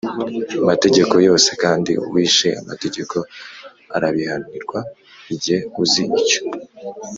mategeko yose. kandi uwishe amategeko arabihanirwa. igihe uzi icyo